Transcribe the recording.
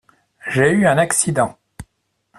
J’ai eu un accident.